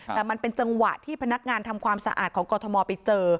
แต่มันเป็นจังหวะที่พนักงานทำความสะอาดของกรทมไปเจอ